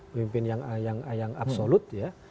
pemimpin yang absolut ya